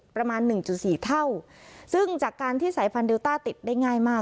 ประมาณหนึ่งจุดสี่เท่าซึ่งจากการที่สายพันธุเดลต้าติดได้ง่ายมาก